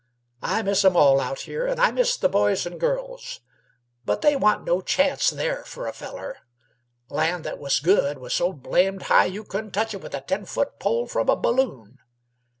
I miss 'em all out here, and I miss the boys an' girls; but they wa'n't no chance there f'r a feller. Land that was good was so blamed high you couldn't touch it with a ten foot pole from a balloon.